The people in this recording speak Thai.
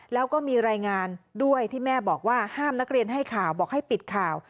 แล้วก็มีรายงานด้วยที่แม่บอกว่าห้ามนักเรียนให้ข่าวบอกให้ปิดข่าว